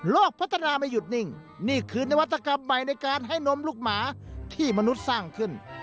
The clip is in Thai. พัฒนาไม่หยุดนิ่งนี่คือนวัตกรรมใหม่ในการให้นมลูกหมาที่มนุษย์สร้างขึ้น